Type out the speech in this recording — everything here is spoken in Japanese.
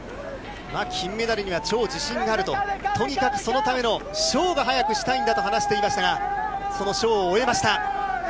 金メダルには超自信があると、とにかくそのためのショーが早くしたいんだと話していましたが、そのショーを終えました。